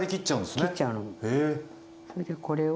それでこれを。